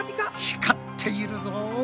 光っているぞ。